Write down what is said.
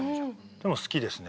でも好きですね